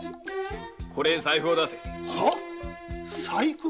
これに財布を出せ「財布」？